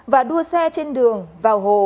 và đua xe trên đường vào hồ